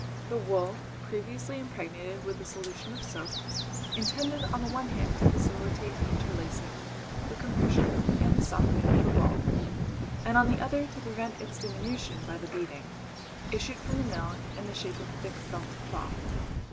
The wool, previously impregnated with a solution of soap, intended on the one hand to facilitate the interlacing, the compression, and the softening of the wool, and on the other to prevent its diminution by the beating, issued from the mill in the shape of thick felt cloth.